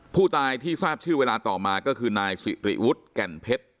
ผู้ตายที่ทราบชื่อเวลาต่อมาก็คือนายสิริวุฒิแก่นเพชร